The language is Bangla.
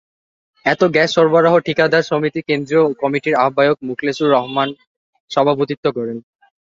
এতে গ্যাস সরবরাহ ঠিকাদার সমিতি কেন্দ্রীয় কমিটির আহ্বায়ক মোখলেছুর রহমান সভাপতিত্ব করেন।